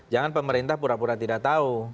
jangan pemerintah pura pura tidak tahu